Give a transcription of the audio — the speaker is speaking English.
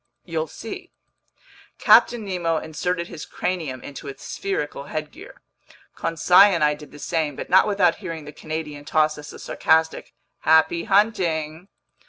"You'll see." Captain Nemo inserted his cranium into its spherical headgear. Conseil and I did the same, but not without hearing the Canadian toss us a sarcastic "happy hunting."